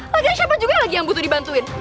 lagi siapa juga lagi yang butuh dibantuin